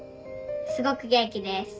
すごく元気です。